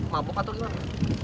mabuk atau gimana